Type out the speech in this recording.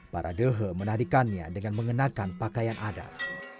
para dehe menarikannya dengan mengenakan pakaian adat